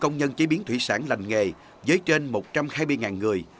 công nhân chế biến thủy sản lành nghề với trên một trăm hai mươi người